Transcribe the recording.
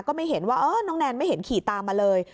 ก็ไม่เห็นว่าน้องแนนไม่เห็นขี่ตามมาเลย